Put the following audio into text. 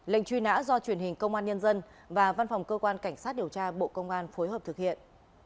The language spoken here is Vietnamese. lệnh truy nã do truyền hình công an nhân dân và văn phòng cơ quan cảnh sát điều tra bộ công an phối hợp thực hiện